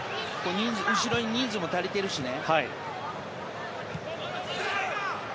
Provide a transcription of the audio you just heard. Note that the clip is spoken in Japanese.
後ろに人数も足りてるしね。